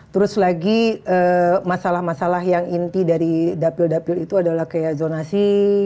terus lagi masalah masalah yang inti dari dapil dapil itu adalah kayak zonasi